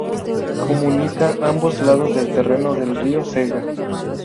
Comunica ambos lados del terreno del río Cega.